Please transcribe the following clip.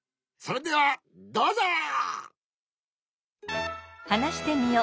それではどうぞ！